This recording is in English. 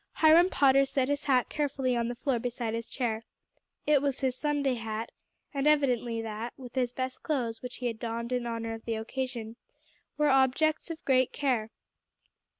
Hiram Potter set his hat carefully on the floor beside his chair. It was his Sunday hat, and evidently that, with his best clothes which he had donned in honor of the occasion, were objects of great care.